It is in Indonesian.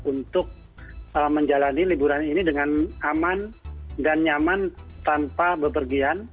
untuk menjalani liburan ini dengan aman dan nyaman tanpa bepergian